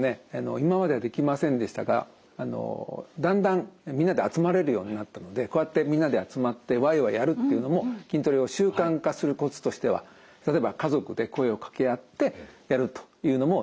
今まではできませんでしたがだんだんみんなで集まれるようになったのでこうやってみんなで集まってわいわいやるっていうのも筋トレを習慣化するコツとしては例えば家族で声を掛け合ってやるというのも楽しいかもしれませんね。